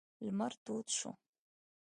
لمر تود شو.